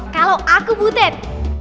kalau aku butet